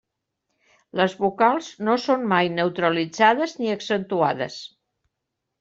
Les vocals no són mai neutralitzades ni accentuades.